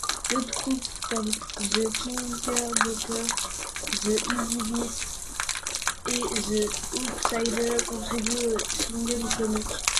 D'autres groupes comme The Knickerbockers, The Easybeats et The Outsiders contribuent aux singles iconiques.